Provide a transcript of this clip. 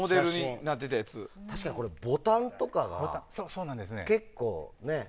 確かにこれボタンとかが結構ね。